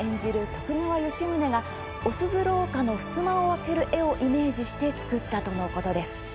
徳川吉宗が御鈴廊下のふすまを開ける絵をイメージして作ったとのこと。